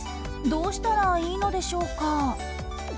どうしたらいいのでしょうか？